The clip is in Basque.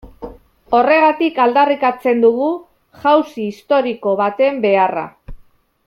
Horregatik aldarrikatzen dugu jauzi historiko baten beharra.